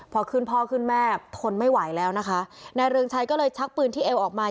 พอขึ้นพ่อขึ้นแม่ทนไม่ไหวแล้วนะคะนายเรืองชัยก็เลยชักปืนที่เอวออกมา